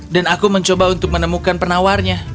dan aku mencoba untuk menemukan penawarnya